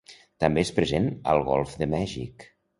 També és present al Golf de Mèxic.